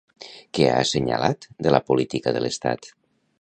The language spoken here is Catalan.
Què ha assenyalat de la política de l'Estat?